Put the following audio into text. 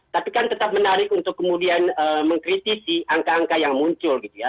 tapi kan tetap menarik untuk kemudian mengkritisi angka angka yang muncul gitu ya